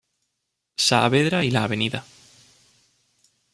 Saavedra y la Av.